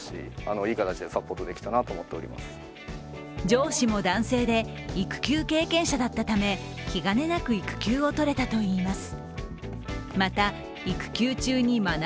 上司も男性で、育休経験者だったため気兼ねなく育休を取れたといいます。